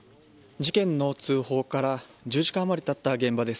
事件の通報から１０時間あまりたった現場です。